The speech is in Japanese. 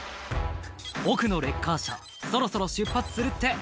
「僕のレッカー車そろそろ出発するって」